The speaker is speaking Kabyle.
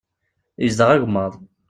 Izdeɣ agemmaḍ.